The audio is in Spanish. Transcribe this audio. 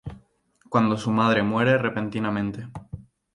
Cuando su madre muere repentinamente.